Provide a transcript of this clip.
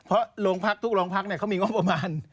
เพราะทุกร้องพักเขามีงบประมาณ